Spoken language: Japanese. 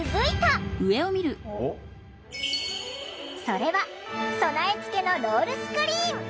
それは備え付けのロールスクリーン。